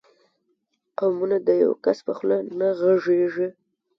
قومونه د یو کس په خوله نه غږېږي.